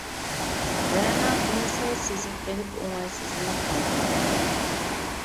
رەنا بۇنى سەل سېزىپ قېلىپ ئوڭايسىزلىنىپ قالدى.